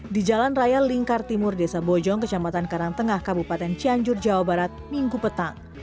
di jalan raya lingkar timur desa bojong kecamatan karangtengah kabupaten cianjur jawa barat minggu petang